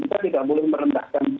dan kita tidak boleh merendahkan ci